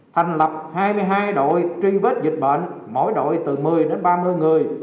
thành lập hai mươi hai đội truy vết dịch bệnh mỗi đội từ một mươi đến ba mươi người